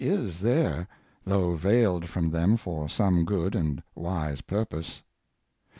s there, though veiled from them for some good and wise purpose.